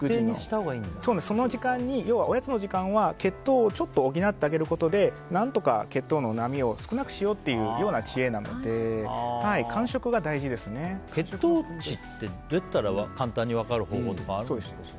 要はおやつの時間は血糖をちょっと補ってあげることで何とか血糖の波を少なくしようという知恵なので血糖値ってどうやったら簡単に分かる方法とかあるんですか？